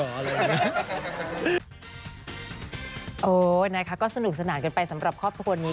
เออนะคะก็สนุกสนานกันไปสำหรับครอบครัวนี้